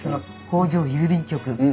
「北条郵便局」。